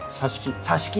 さし木。